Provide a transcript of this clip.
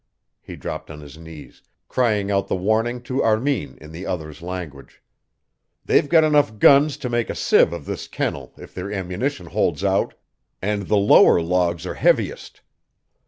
He dropped on his knees, crying out the warning to Armin in the other's language. "They've got enough guns to make a sieve of this kennel if their ammunition holds out and the lower logs are heaviest.